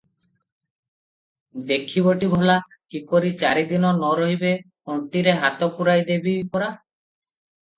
ଦେଖିବଟି ଭଲା, କିପରି ଚାରିଦିନ ନ ରହିବେ, ଅଣ୍ଟିରେ ହାତ ପୁରାଇଦେବିପରା ।